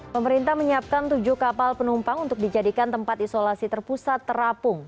pemerintah menyiapkan tujuh kapal penumpang untuk dijadikan tempat isolasi terpusat terapung